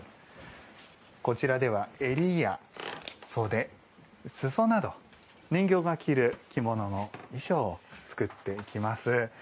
こちらでは襟や袖裾など、人形が着る着物の衣装を作っていきます。